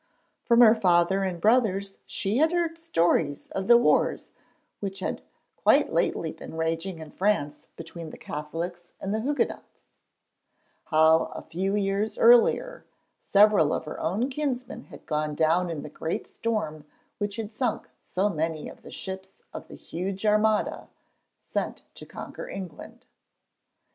From her father and brothers she heard stories of the wars which had quite lately been raging in France between the Catholics and Huguenots; how a few years earlier several of her own kinsmen had gone down in the great storm which had sunk so many of the ships of the huge Armada, sent to conquer England.